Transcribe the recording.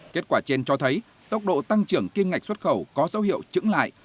kết quả trên cho thấy tốc độ tăng trưởng kim ngạch xuất khẩu có dấu hiệu trứng lại